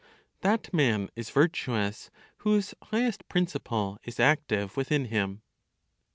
THAT MAN IS VIRTUOUS WHOSE HIGHEST PRINCIPLE IS ACTIVE WITHIN HIM.